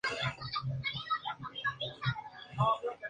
La única película de larga duración que venía de la serie.